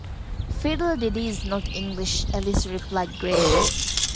‘Fiddle-de-dee’s not English,’ Alice replied gravely.